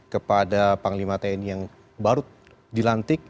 kepada panglima tni yang baru dilantik